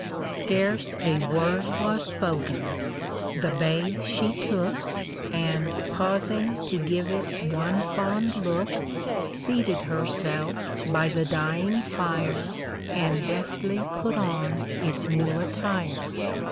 Scarce a word was spoken. The babe she took, And, pausing to give it one fond look. 44 THE BABY S THINGS. Seated herself by the dying fire, And deftly put on its new attire.